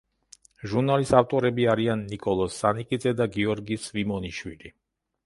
ჟურნალის ავტორები არიან ნიკოლოზ სანიკიძე და გიორგი სვიმონიშვილი.